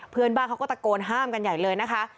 เพื่อนบ้านเขาก็ตะโกนห้ามกันใหญ่เลยนะคะ